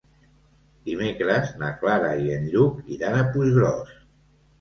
Dimecres na Clara i en Lluc iran a Puiggròs.